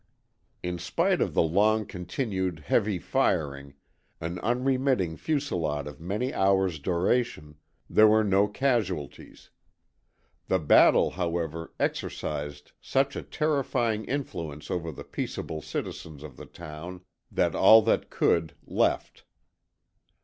In spite of the long continued, heavy firing, an unremitting fusilade of many hours' duration, there were no casualties. The battle, however, exercised such a terrifying influence over the peaceable citizens of the town that all that could left.